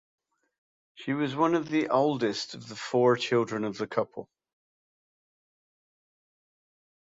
She was the oldest of the four children of the couple.